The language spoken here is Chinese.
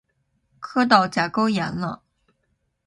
磕到甲沟炎了！